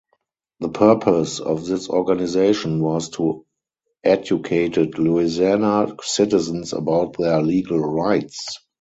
The purpose of this organization was to educated Louisiana citizens about their legal rights.